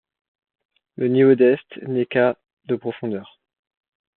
Le niveau d'est n'est qu'à de profondeur.